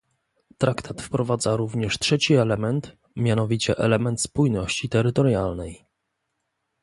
Traktat wprowadza również trzeci element, mianowicie element spójności terytorialnej